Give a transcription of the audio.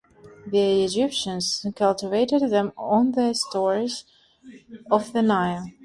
The Egyptians cultivated them on the shores of the Nile.